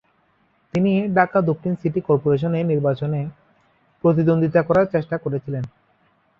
তিনি ঢাকা দক্ষিণ সিটি কর্পোরেশনে নির্বাচনে প্রতিদ্বন্দ্বিতা করার চেষ্টা করেছিলেন।